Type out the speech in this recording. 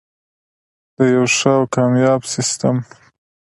د یو ښه او کامیاب سیستم.